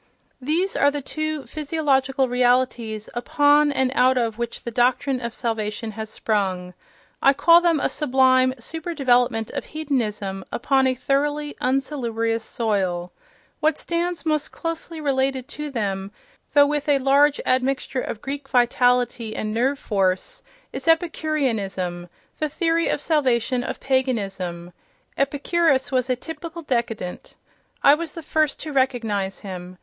These are the two physiological realities upon and out of which the doctrine of salvation has sprung. I call them a sublime super development of hedonism upon a thoroughly unsalubrious soil. What stands most closely related to them, though with a large admixture of Greek vitality and nerve force, is epicureanism, the theory of salvation of paganism. Epicurus was a typical décadent: I was the first to recognize him.